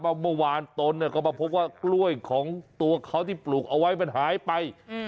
เมื่อวานตนก็มาพบว่ากล้วยของตัวเขาที่ปลูกเอาไว้มันหายไป